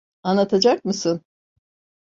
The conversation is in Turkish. Anlatacak mısın?